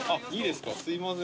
すいません。